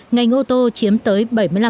ngành ô tô chiếm tới bảy mươi năm